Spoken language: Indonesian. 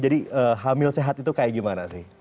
jadi hamil sehat itu kayak gimana sih